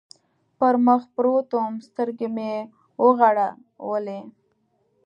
پر مخ پروت ووم، سترګې مې و غړولې.